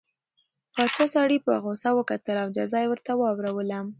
پاچا سړي ته په غوسه وکتل او جزا یې ورته واوروله.